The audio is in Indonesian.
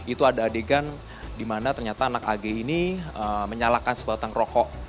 itu ada adegan dimana ternyata anak agi ini menyalakan sebatang rokok